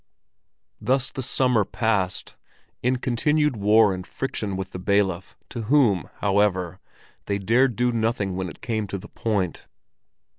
Thus the summer passed, in continued war and friction with the bailiff, to whom, however, they dared do nothing when it came to the point.